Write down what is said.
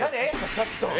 ちょっと！